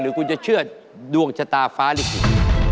หรือคุณจะเชื่อดวงชะตาฟ้าลิกสุด